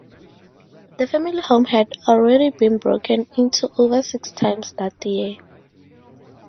The family home had already been broken into over six times that year.